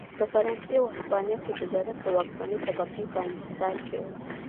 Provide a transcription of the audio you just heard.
په فرانسې او هسپانیا کې تجارت د واکمنې طبقې په انحصار کې و.